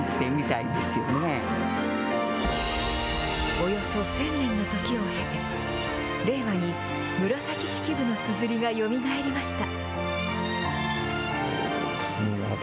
およそ１０００年の時を経て令和に紫式部のすずりがよみがえりました。